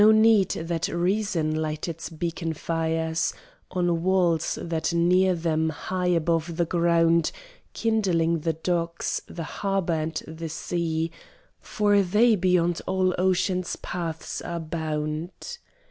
No need that reason light its beacon fires On walls that rear them high above the ground, Kindling the docks, the harbour and the sea; For they beyond all ocean's paths are bound.